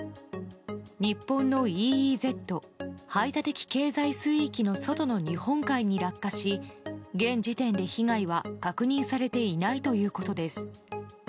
日本のＥＥＺ・排他的経済水域の外の日本海に落下し、現時点で被害は確認されていないということです。